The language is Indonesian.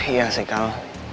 iya sih kal